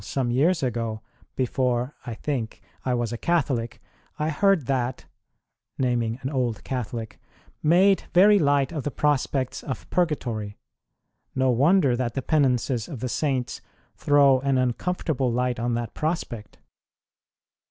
some years ago, before (I think) I was a Catholic, I heard that (naming an old Catholic) made very light of the prospects of Purgatory. No wonder that the Penances of the Saints throw an uncomfortable light on that prospect.